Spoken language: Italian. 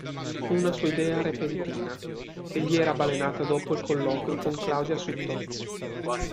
Una sua idea repentina, che gli era balenata dopo il colloquio con Claudia Sutton.